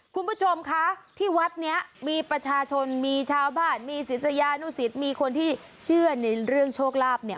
คุณผู้ชมคะที่วัดนี้มีประชาชนมีชาวบ้านมีศิษยานุสิตมีคนที่เชื่อในเรื่องโชคลาภเนี่ย